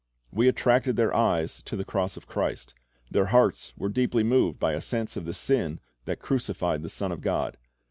We attracted their eyes to the cross of Christ. Their hearts were deeply moved by a sense of the sin that crucified the Son of God.